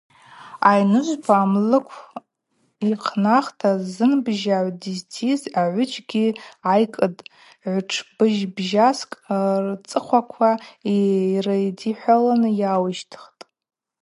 Айныжвпа амлыкв йхънахта зынбжьагӏв дызтйыз агӏвыджьгьи гӏайкӏытӏ, гӏвтшымбжьаскӏ рцӏыхъваква йрыдихӏвалын йауищтхтӏ.